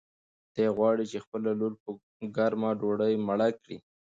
دی غواړي چې خپله لور په ګرمه ډوډۍ مړه کړي.